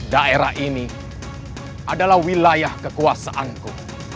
daerah ini adalah wilayah kekuasaanku